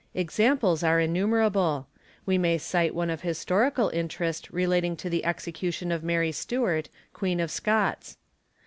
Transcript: Examples are innumerable; we may cite one o historical interest relating to the execution of Mary Stuart, Queen of Scots.